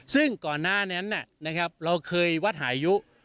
ซึ่งก่อนหน้านั้นเราเคยวัดหายุ